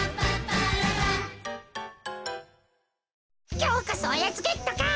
きょうこそおやつゲットか。